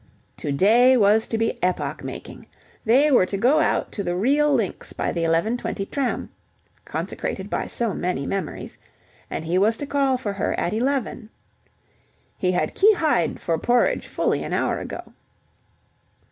To day was to be epoch making. They were to go out to the real links by the 11.20 tram (consecrated by so many memories), and he was to call for her at eleven. He had qui hied for porridge fully an hour ago.